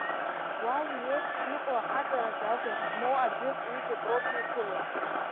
Уа уи еиԥш иҟоу ахаҵараз агәаӷь змоу аӡәык-ҩыџьак роуп иуԥыло.